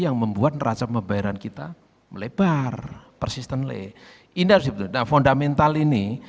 yang membuat raca pembayaran kita melebar persistenly ini harus dibetulkan fundamental ini